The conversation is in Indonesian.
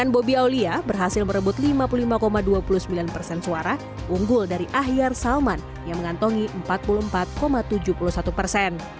bobi aulia berhasil merebut lima puluh lima dua puluh sembilan persen suara unggul dari ahyar salman yang mengantongi empat puluh empat tujuh puluh satu persen